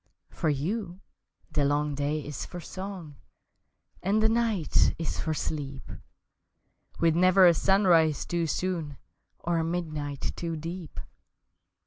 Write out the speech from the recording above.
For you the long day is for song And the night is for sleep With never a sunrise too soon Or a midnight too deep!